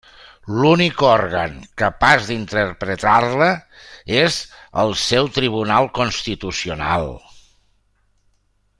L'únic òrgan capaç d'interpretar-la és el seu Tribunal Constitucional.